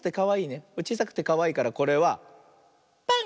ちいさくてかわいいからこれは「パン」。